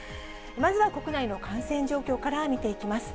まずは国内の感染状況から見ていきます。